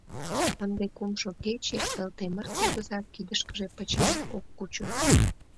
Ынде кумшо кече Элтемыр кугыза кидышкыже пычалым ок кучо.